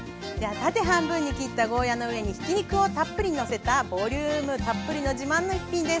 縦半分に切ったゴーヤーの上にひき肉をたっぷりのせたボリュームたっぷりの自慢の一品です。